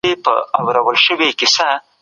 سياسي آندونه د وخت په تېرېدو سره زيات پاخه سوي دي.